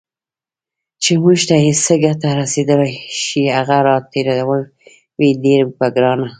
چې موږ ته یې څه ګټه رسېدای شي، هغه راتېرول وي ډیر په ګرانه